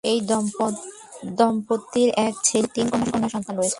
এই দম্পতির এক ছেলে এবং তিন কন্যা সন্তান রয়েছে।